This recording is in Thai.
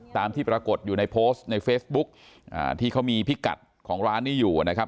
ตามที่ปรากฏอยู่ในโพสต์ในเฟซบุ๊กอ่าที่เขามีพิกัดของร้านนี้อยู่นะครับ